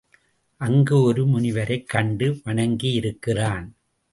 அங்கு ஒரு முனிவரைக் கண்டு வணங்கியிருக்கிறான்.